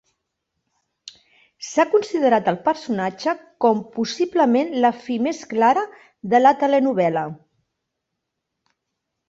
S'ha considerat al personatge com "possiblement la fi més clara de la telenovel·la".